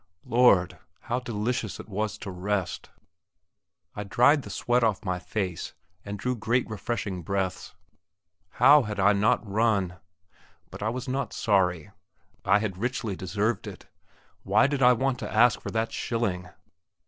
Lord! how delicious it was to rest! I dried the sweat off my face, and drew great refreshing breaths. How had I not run! But I was not sorry; I had richly deserved it. Why did I want to ask for that shilling?